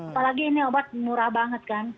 apalagi ini obat murah banget kan